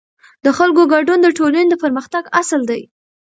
د خلکو ګډون د ټولنې د پرمختګ اصل دی